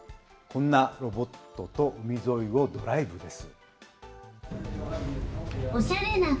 こんなロボットと海沿いをドライブです。